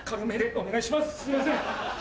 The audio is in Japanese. すいません。